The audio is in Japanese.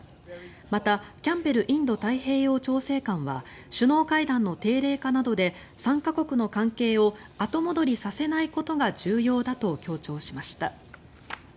また、キャンベルインド太平洋調整官は首脳会談の定例化などで３か国の関係を後戻りさせないことが重要だと強調しました。